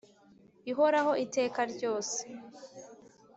Ihoraho iteka ryose